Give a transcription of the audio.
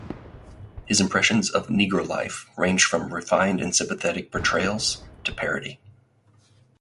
His impressions of "negro life" ranged from refined and sympathetic portrayals to parody.